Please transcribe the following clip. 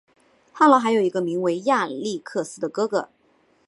翰劳还有一个名为亚历克斯的哥哥。